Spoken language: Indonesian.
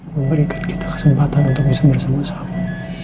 memberikan kita kesempatan untuk bisa bersama sama